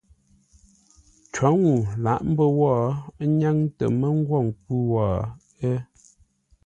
Cǒ ŋuu lǎʼ mbə́ wó, ə́ nyáŋ tə mə́ ngwô nkwʉ́ wó, ə́.